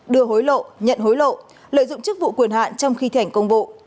đưa hối lộ nhận hối lộ lợi dụng chức vụ quyền hạn trong khi thảnh công vụ